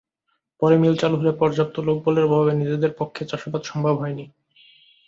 পরে মিল চালু হলে পর্যাপ্ত লোকবলের অভাবে নিজেদের পক্ষে চাষাবাদ সম্ভব হয়নি।